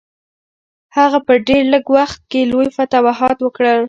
هغه په ډېر لږ وخت کې لوی فتوحات وکړل.